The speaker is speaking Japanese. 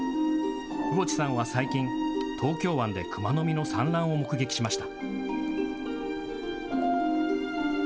魚地さんは最近、東京湾でクマノミの産卵を目撃しました。